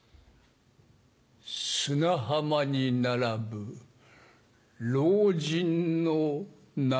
砂浜に並ぶ老人の生首。